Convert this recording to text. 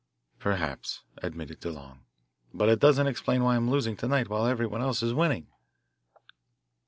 "Perhaps," admitted DeLong, "but it doesn't explain why I am losing to night while everyone else is winning."